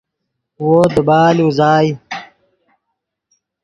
وو دیبال اوزائے